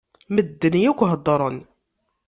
Medden akk heddṛen.